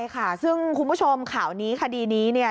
คุณผู้ชมข่าวนี้คดีนี้เนี่ย